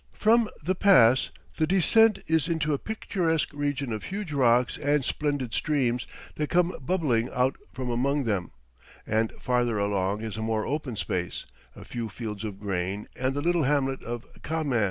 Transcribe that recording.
From the pass the descent is into a picturesque region of huge rocks and splendid streams that come bubbling out from among them, and farther along is a more open space, a few fields of grain, and the little hamlet of Kahmeh.